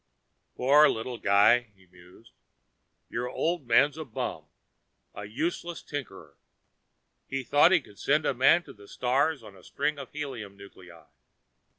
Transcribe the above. "Poor little guy," he mused. "Your old man's a bum, a useless tinker. He thought he could send Man to the stars on a string of helium nuclei.